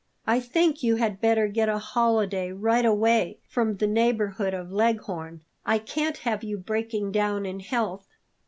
I think you had better get a holiday right away from the neighborhood of Leghorn. I can't have you breaking down in health."